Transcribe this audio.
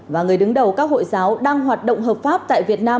và người đứng đầu các hội giáo đang hoạt động hợp pháp tại việt nam